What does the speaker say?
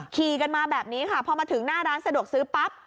ขี่กันมาแบบนี้ค่ะพอมาถึงหน้าร้านสะดวกซื้อปั๊บ